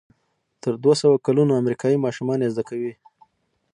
تر دوهسوه کلونو امریکایي ماشومان یې زده کوي.